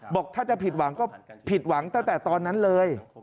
บอกถ้าจะผิดหวังก็ผิดหวังตั้งแต่ตอนนั้นเลย